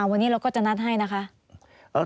วันนี้เราก็จะนัดให้นะคะ